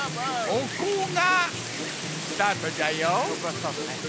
そこがスタートね。